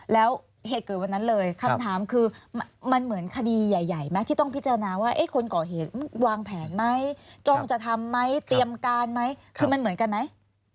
แล้วเหตุเกิดวันนั้นเลยคำถามคือมันเหมือนคดีใหญ่ไหมที่ต้องพิจารณาว่าคนก่อเหตุวางแผนไหมจ้องจะทำไหมเตรียมการไหมคือมันเหมือนกันไหม